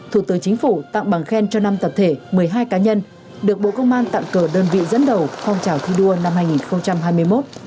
thủ tướng chính phủ tặng bằng khen cho năm tập thể một mươi hai cá nhân được bộ công an tặng cờ đơn vị dẫn đầu phong trào thi đua năm hai nghìn hai mươi một